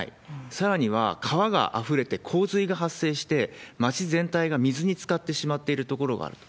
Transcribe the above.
さらには、川があふれて洪水が発生して、町全体が水につかってしまっている所があると。